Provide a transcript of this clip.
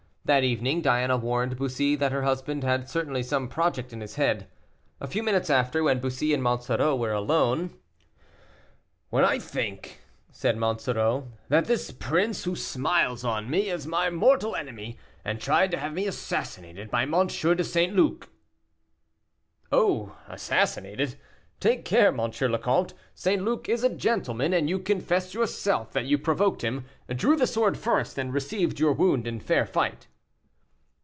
That evening Diana warned Bussy that her husband had certainly some project in his head. A few minutes after, when Bussy and Monsoreau were alone, "When I think," said Monsoreau, "that this prince, who smiles on me, is my mortal enemy, and tried to have me assassinated by M. de St. Luc " "Oh, assassinated! take care, M. le Comte. St. Luc is a gentleman, and you confess yourself that you provoked him, drew the sword first, and received your wound in fair fight."